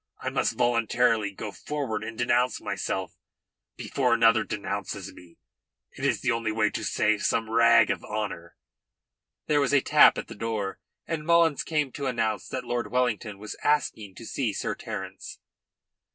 I must voluntarily go forward and denounce myself before another denounces me. It is the only way to save some rag of honour." There was a tap at the door, and Mullins came to announce that Lord Wellington was asking to see Sir Terence.